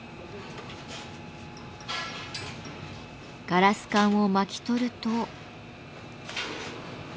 ガラス管を巻き取ると。